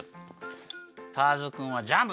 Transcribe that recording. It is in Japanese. ターズくんはジャム。